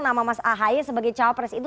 nama mas ahy sebagai cawapres itu